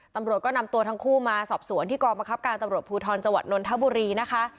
ตำรวจก็นำตัวทั้งคู่มาสอบสวนที่กองบังคับการตำรวจภูทรจังหวัดนนทบุรีนะคะ